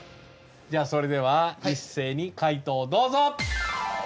それでは一斉に解答をどうぞ！